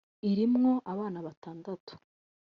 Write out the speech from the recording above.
irimwo abana batandatu